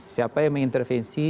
siapa yang mengintervensi